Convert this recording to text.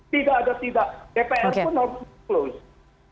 tidak ada tidak dpr pun harus close